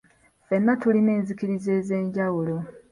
Ffenna tulina enzikiriza ez'enjawulo.